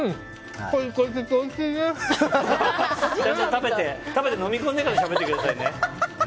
食べて、飲み込んでからしゃべってくださいね。